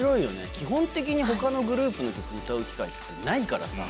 基本的に、ほかのグループの曲歌う機会ってないからさ。